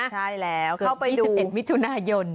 ใช่แล้วเกิด๒๑มิถุนายน